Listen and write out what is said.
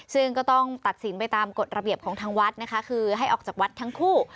ซึ่งก็ต้องตัดสินไปตามกฎระเบียบของทางวัดนะคะคือให้ออกจากวัดทั้งคู่